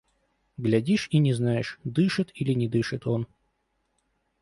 Глядишь и не знаешь: дышит или не дышит он.